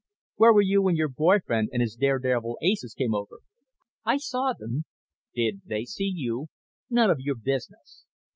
"Where were you when your boy friend and his daredevil aces came over?" "I saw them." "Did they see you?" "None of your business."